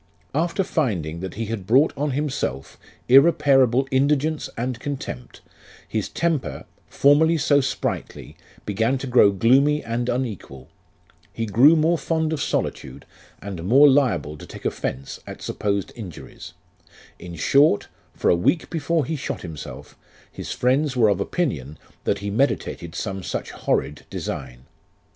" After finding that he had brought on himself irreparable indigence and contempt, his temper, formerly so sprightly, began to grow gloomy and unequal : he grew more fond of solitude, and more liable to take offence at supposed injuries ; in short, for a week before he shot himself, his friends were of opinion that he meditated some such horrid design.